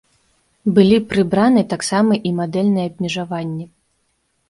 Былі прыбраны таксама і мадэльныя абмежаванні.